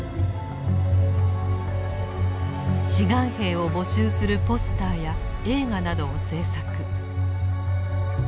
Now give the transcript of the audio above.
志願兵を募集するポスターや映画などを制作。